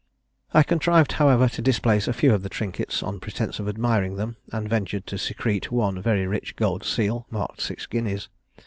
I contrived, however, to displace a few of the trinkets, on pretence of admiring them, and ventured to secrete one very rich gold seal, marked six guineas.